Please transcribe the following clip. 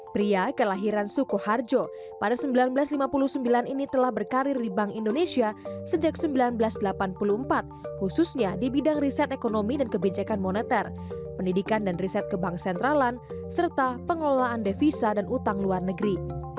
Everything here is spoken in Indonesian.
pria kelahiran sukoharjo pada seribu sembilan ratus lima puluh sembilan ini telah berkarir di bank indonesia sejak seribu sembilan ratus delapan puluh empat khususnya di bidang riset ekonomi dan kebijakan moneter pendidikan dan riset ke bank sentralan serta pengelolaan devisa dan utang luar negeri